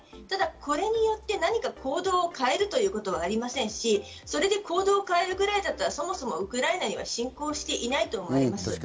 ただこれによって何か行動を変えるということはありませんし、それで行動を変えるくらいだったら、そもそもウクライナには侵攻していないと思います。